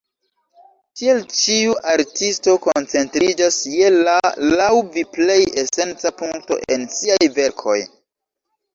Tiel ĉiu artisto koncentriĝas je la laŭ vi plej esenca punkto en siaj verkoj.